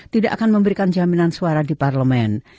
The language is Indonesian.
tidak akan memberikan jaminan suara di parlemen